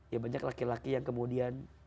ya banyak laki laki yang kemudian